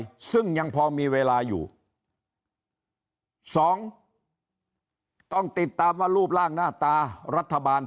ยังซึ่งยังพอมีเวลาอยู่สองต้องติดตามว่ารูปร่างหน้าตารัฐบาล